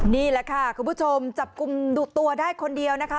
นี่แหละค่ะคุณผู้ชมจับกลุ่มตัวได้คนเดียวนะคะ